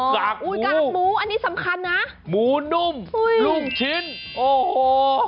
กากหมูอันนี้สำคัญนะมูนุ่มลูกชิ้นโอ้โห